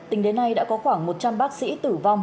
tính đến nay đã có khoảng một trăm linh bác sĩ tử vong